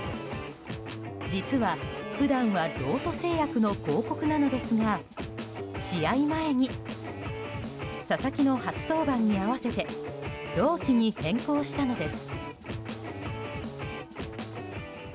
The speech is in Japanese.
実は、普段はロート製薬の広告なのですが試合前に佐々木の初登板に合わせてＲＯＨＫｉに変更したのです。